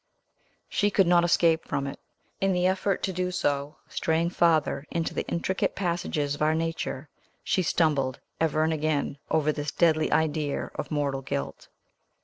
She could not escape from it. In the effort to do so, straying farther into the intricate passages of our nature, she stumbled, ever and again, over this deadly idea of mortal guilt.